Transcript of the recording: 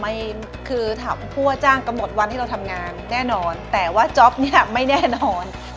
ไม่คือถามผู้ว่าจ้างกำหนดวันที่เราทำงานแน่นอนแต่ว่าจ๊อปเนี่ยไม่แน่นอน